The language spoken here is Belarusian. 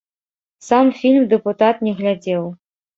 Сам фільм дэпутат не глядзеў.